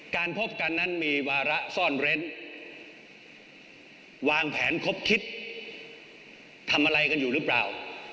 พบกันนั้นมีวาระซ่อนเร้นวางแผนครบคิดทำอะไรกันอยู่หรือเปล่า